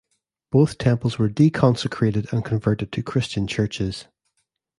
Both temples were deconsecrated and converted to Christian churches.